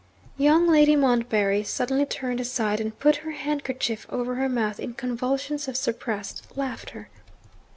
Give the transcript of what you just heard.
Young Lady Montbarry suddenly turned aside, and put her handkerchief over her mouth in convulsions of suppressed laughter.